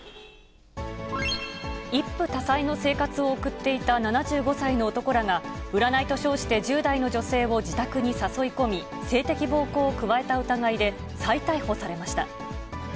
一夫多妻の生活を送っていた７５歳の男らが、占いと称して１０代の女性を自宅に誘い込み、性的暴行を加えた疑いで再逮捕されました。